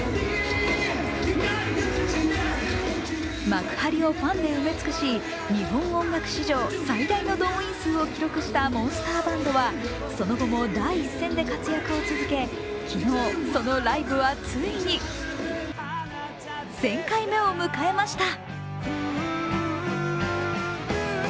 幕張をファンで埋め尽くし日本音楽史上、最大の動員数を記録したモンスターバンドはその後も第一戦で活躍を続け昨日、そのライブはついに１０００回目を迎えました。